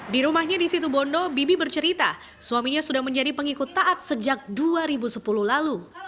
di rumahnya di situ bondo bibi bercerita suaminya sudah menjadi pengikut taat sejak dua ribu sepuluh lalu